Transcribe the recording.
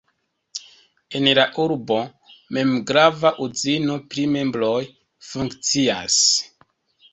En la urbo mem grava uzino pri mebloj funkcias.